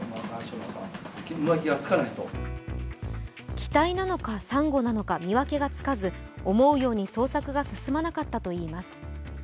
機体なのかサンゴなのか見分けがつかず思うように捜索が進まなかったといいます。